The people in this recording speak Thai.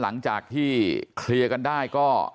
หลังจากที่เคลียร์กันได้ก็